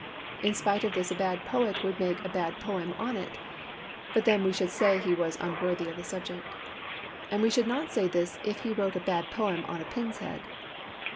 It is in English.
In spite of this a bad poet would make a bad poem on it; but then we should say he was unworthy of the subject. And we should not say this if he wrote a bad poem on a pin's head.